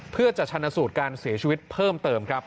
เพื่อจะชนะสูตรการเสียชีวิตเพิ่มเติมครับ